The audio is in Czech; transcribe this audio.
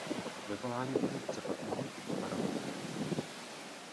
Ve volání funkce pak mohou tyto parametry chybět.